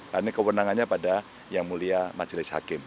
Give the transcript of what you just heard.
karena kewenangannya pada yang mulia majelis hakim